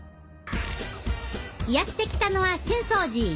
やって来たのは浅草寺！